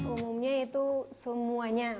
umumnya itu semuanya